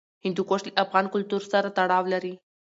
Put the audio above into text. هندوکش له افغان کلتور سره تړاو لري.